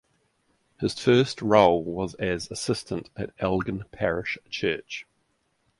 His first role was as assistant at Elgin Parish Church.